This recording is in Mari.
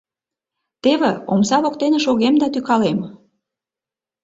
«ТЕВЕ, ОМСА ВОКТЕНЕ ШОГЕМ ДА ТӰКАЛЕМ»